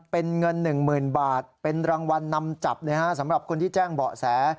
เป็นเงิน๑๐๐๐บาทเป็นรางวัลนำจับสำหรับคนที่แจ้งเบาะแส